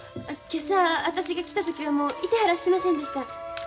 今朝私が来た時はもういてはらしませんでした。